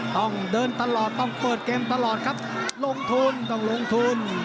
ต้องเดินตลอดต้องเปิดเกมตลอดครับลงทุนต้องลงทุน